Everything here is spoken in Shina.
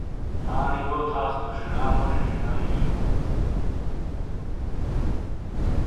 آنے یو تھاس تو شینا موجی چینیونی ہیں۔